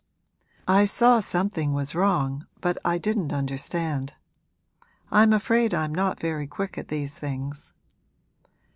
'I saw something was wrong, but I didn't understand. I'm afraid I'm not very quick at these things.'